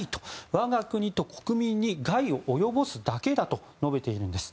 我が国と国民に害を及ぼすだけだと述べているんです。